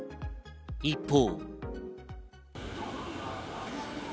一方。